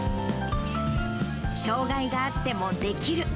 障がいがあってもできる。